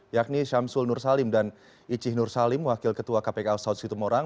yakni syamsul nursalim dan icih nursalim wakil ketua kpk south sitomorang